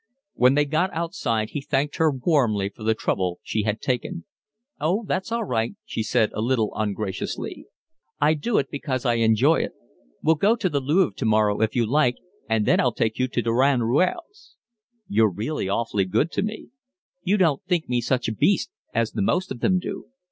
When they got outside he thanked her warmly for the trouble she had taken. "Oh, that's all right," she said, a little ungraciously. "I do it because I enjoy it. We'll go to the Louvre tomorrow if you like, and then I'll take you to Durand Ruel's." "You're really awfully good to me." "You don't think me such a beast as the most of them do."